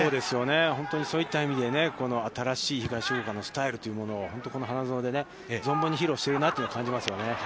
本当にそういった意味で新しい東福岡のスタイルというものを本当にこの花園で存分に披露しているなというのを感じますね。